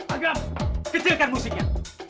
agam kecilkan musiknya